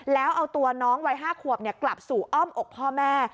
แล้วเอาตัวน้องวัย๕ขวบกลับสู่อ้อมอกพ่อแม่